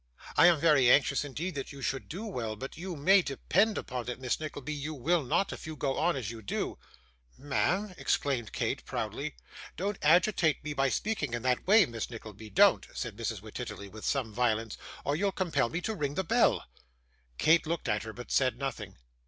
I am very anxious indeed that you should do well, but you may depend upon it, Miss Nickleby, you will not, if you go on as you do.' 'Ma'am!' exclaimed Kate, proudly. 'Don't agitate me by speaking in that way, Miss Nickleby, don't,' said Mrs. Wititterly, with some violence, 'or you'll compel me to ring the bell.' Kate looked at her, but said nothing.